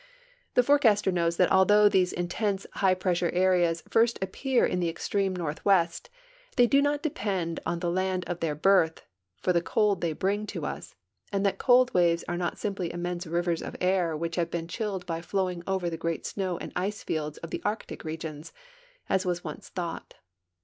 The forecaster knows that although these intense high pressure areas first appear in the extreme northwest, they do not depend on the land of their birth for the cold they bring to us, and that cold waves are not simpl}^ immense rivers of air which have been chilled by flowing over the great snow and ice fields of the Arctic regions, as was once thought.